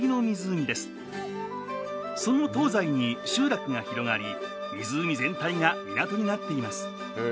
その東西に集落が広がり湖全体が港になっています。